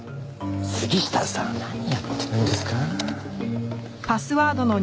杉下さん何やってるんですか？